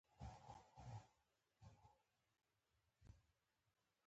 خوب د ذهن له غمونو پاکوي